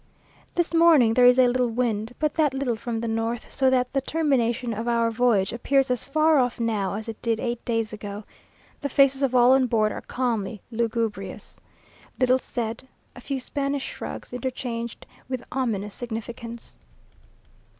This morning there is little wind, but that little from the north, so that the termination of our voyage appears as far off now as it did eight days ago. The faces of all on board are calmly lugubrious. Little said. A few Spanish shrugs interchanged with ominous significance.